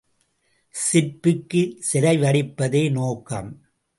சிற்பிக்குச் சிலை வடிப்பதே நோக்கம்.